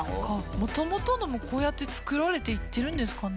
もともとのもこうやって作られていってるんですかね。